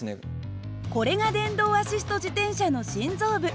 これが電動アシスト自転車の心臓部。